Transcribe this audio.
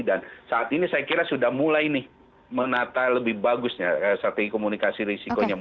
dan saat ini saya kira sudah mulai nih menata lebih bagusnya strategi komunikasi risikonya